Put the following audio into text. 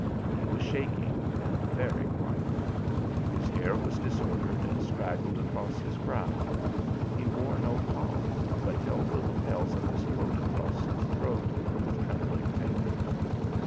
He was shaking and very white; his hair was disordered and straggled across his brow. He wore no collar, but held the lapels of his coat across his throat with trembling fingers.